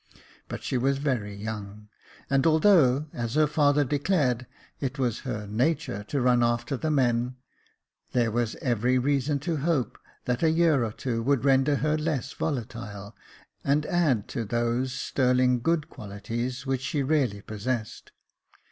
But she was very young ; and although, as her father declared, it was her natur to run after the men, there was every reason to hope that a year or two would render her less volatile, and add to those sterling good qualities which she really possessed.